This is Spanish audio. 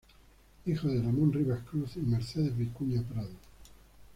Hijo de "Ramón Rivas Cruz" y "Mercedes Vicuña Prado".